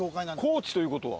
高知ということは。